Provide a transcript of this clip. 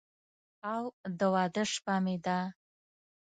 او د واده شپه مې ده